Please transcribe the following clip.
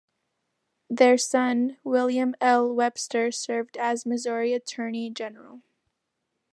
Their son, William L. Webster served as Missouri Attorney General.